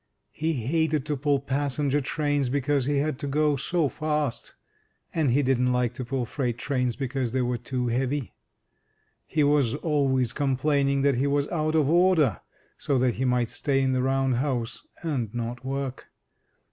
He hated to pull passenger trains because he had to go so fast, and he didn't like to pull freight trains because they were too heavy. He was always complaining that he was out of order, so that he might stay in the Round House, and not work.